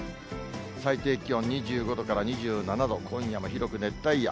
最低気温２５度から２７度、今夜も広く熱帯夜。